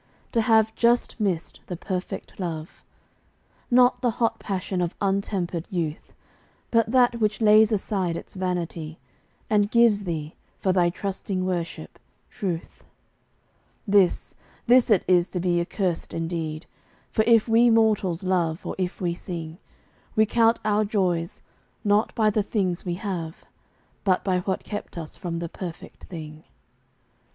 To have just missed the perfect love, Not the hot passion of untempered youth, But that which lays aside its vanity And gives thee, for thy trusting worship, truth— This, this it is to be accursed indeed; For if we mortals love, or if we sing, We count our joys not by the things we have, But by what kept us from the perfect thing.